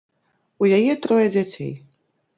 У яе трое дзяцей.